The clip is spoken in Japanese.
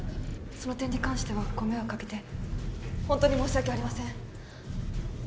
その点に関してはご迷惑かけて本当に申し訳ありません